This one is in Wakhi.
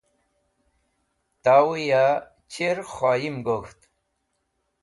Tawẽ ya chir khoyim gok̃ht